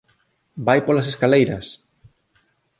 Vai polas escaleiras!